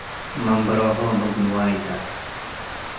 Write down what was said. መንበሮሆም እብ ንዋይ ተ ።